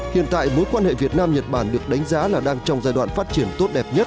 hiện tại mối quan hệ việt nam nhật bản được đánh giá là đang trong giai đoạn phát triển tốt đẹp nhất